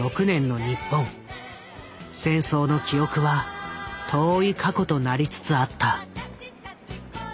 戦争の記憶は遠い過去となりつつあった。